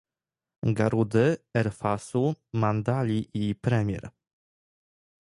Garudy, Airfastu, Mandali i Premier